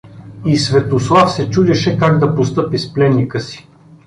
И Светослав се чудеше как да постъпи с пленника си.